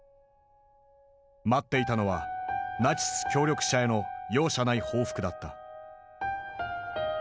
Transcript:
待っていたのはナチス協力者への容赦ない報復だった。